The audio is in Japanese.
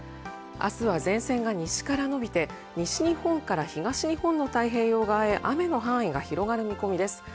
明日は前線が西から伸びて、西日本から東日本の太平洋側へ雨の範囲が広がる見込みです。